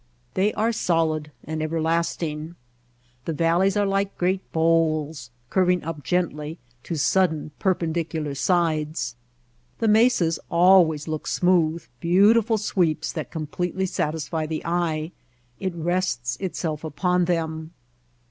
They are solid and everlasting. The valleys are like great bowls curving up gently to sudden, perpendicular sides. The mesas always look smooth, beautiful sweeps that completely satisfy the eye. It rests itself upon them.